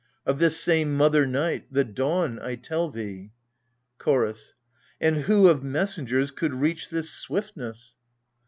Of this same mother Night — the dawn, I tell thee. CHORDS. And who of messengers could reach this swiftness